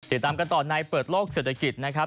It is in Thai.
ติดตามกันต่อในเปิดโลกเศรษฐกิจนะครับ